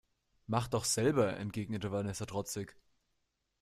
Mach doch selber, entgegnete Vanessa trotzig.